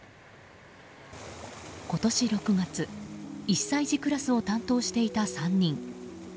今年６月、１歳児クラスを担当していた３人。